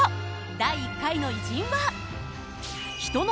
第１回の偉人は。